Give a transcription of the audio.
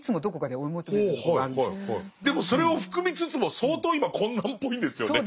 でもそれを含みつつも相当今困難っぽいんですよね。